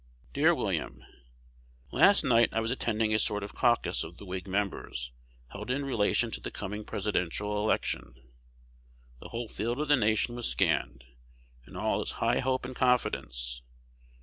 Dear William, Last night I was attending a sort of caucus of the Whig members, held in relation to the coming Presidential election. The whole field of the nation was scanned; and all is high hope and confidence.